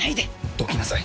どきなさい！